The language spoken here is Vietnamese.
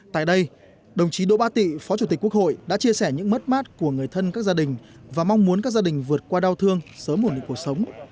tại đây đồng chí đỗ ba tị phó chủ tịch quốc hội đã chia sẻ những mất mát của người thân các gia đình và mong muốn các gia đình vượt qua đau thương sớm ổn định cuộc sống